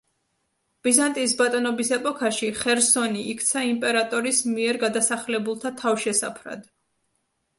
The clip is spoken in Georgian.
ბიზანტიის ბატონობის ეპოქაში ხერსონი იქცა იმპერატორის მიერ გადასახლებულთა თავშესაფრად.